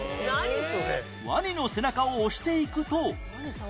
ワニの背中を押していくと